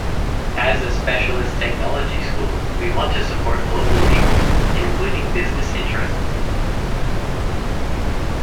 As a specialist technology school we want to support local people, including business interests.